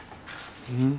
うん？